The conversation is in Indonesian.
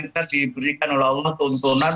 kita diberikan oleh allah tontonan